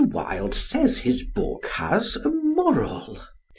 Wilde says his book has "a moral."